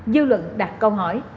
dư luận đặt câu hỏi